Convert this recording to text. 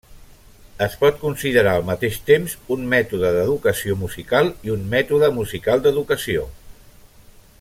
Es pot considerar al mateix temps un mètode d'educació musical i un mètode musical d'educació.